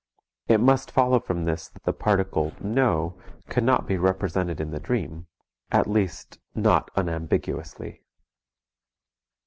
It must follow from this that the particle "no" cannot be represented in the dream, at least not unambiguously.